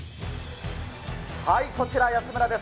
こちら、安村です。